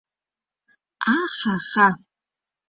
Аа-ха-ха...